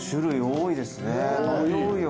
迷うよ